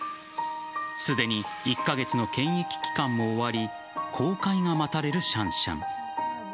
すでに１カ月の検疫期間も終わり公開が待たれるシャンシャン。